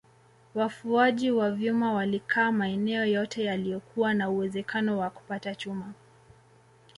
Wafuaji wa vyuma walikaa maeneo yote yaliyokuwa na uwezekano wa kupata chuma